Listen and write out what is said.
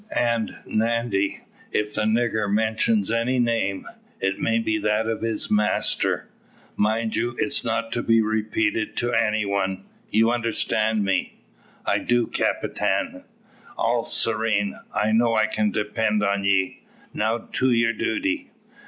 "And, Nandy, if the nigger mentions any name it may be that of his master mind you it's not to be repeated to any one. You understand me?" "I do, capitan." "All serene. I know I can depend on ye. Now, to your duty."